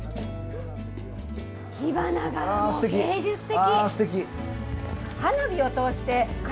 火花がもう、芸術的。